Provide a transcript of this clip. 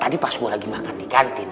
tadi pas gue lagi makan di kantin